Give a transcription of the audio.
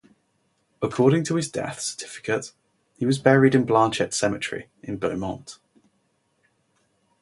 According to his death certificate, he was buried in Blanchette Cemetery, in Beaumont.